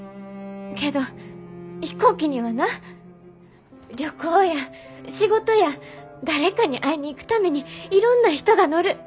けど飛行機にはな旅行や仕事や誰かに会いに行くためにいろんな人が乗る。